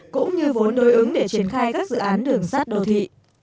cũng như vốn đối ứng để triển khai các dự án đường sát đô thị